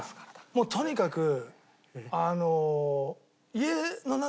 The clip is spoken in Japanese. もうとにかくあの。